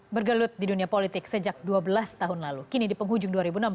bergelut di dunia politik sejak dua belas tahun lalu kini di penghujung dua ribu enam belas